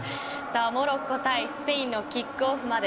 モロッコ対スペインのキックオフまで